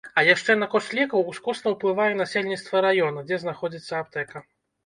А яшчэ на кошт лекаў ускосна ўплывае насельніцтва раёна, дзе знаходзіцца аптэка.